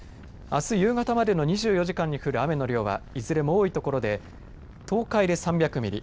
あす夕方までの２４時間に降る雨の量はいずれも多い所で東海で３００ミリ